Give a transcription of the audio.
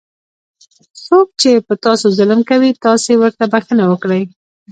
څوک چې په تاسو ظلم کوي تاسې ورته بښنه وکړئ.